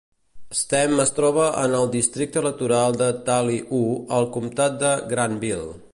Stem es troba en el districte electoral de Tally Ho al comtat de Granville.